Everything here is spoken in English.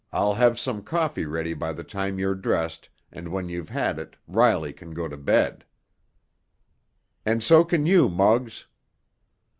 I'll have some coffee ready by the time you're dressed, and when you've had it Riley can go to bed." "And so can you, Muggs."